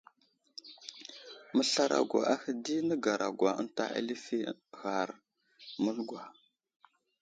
Məslarogwa ahe di nəgaragwa ənta alifi ghar məlgwa.